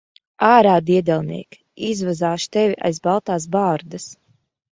Ārā, diedelniek! Izvazāšu tevi aiz baltās bārdas.